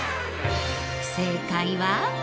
正解は。